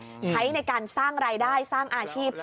ใช้ในการสร้างรายได้สร้างอาชีพ